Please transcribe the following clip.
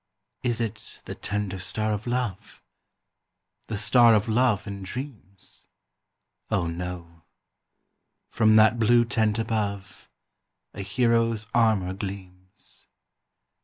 Is it the tender star of love? The star of love and dreams? Oh, no! from that blue tent above, A hero's armour gleams.